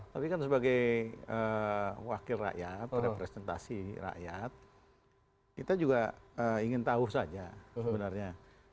tapi kan sebagai wakil rakyat representasi rakyat kita juga ingin tahu saja sebenarnya